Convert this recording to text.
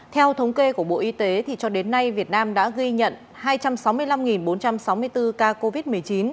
theo thống kê của bộ y tế cho đến nay việt nam đã ghi nhận hai trăm sáu mươi năm bốn trăm sáu mươi bốn ca covid một mươi chín